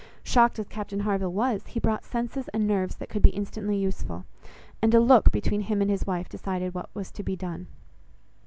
Shocked as Captain Harville was, he brought senses and nerves that could be instantly useful; and a look between him and his wife decided what was to be done.